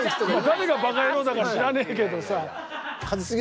誰がバカ野郎だか知らねぇけどさ。